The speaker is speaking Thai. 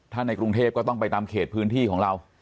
ถ้าในกรุงเทพก็ต้องไปตามเขตพื้นที่ของเรา